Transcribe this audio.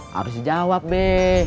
harus dijawab be